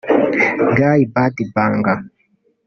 Guy Badi Banga